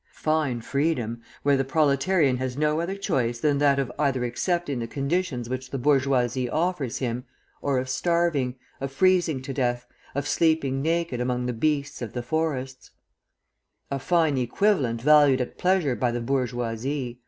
Fine freedom, where the proletarian has no other choice than that of either accepting the conditions which the bourgeoisie offers him, or of starving, of freezing to death, of sleeping naked among the beasts of the forests! A fine "equivalent" valued at pleasure by the bourgeoisie!